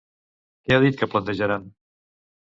Què ha dit que plantejaran?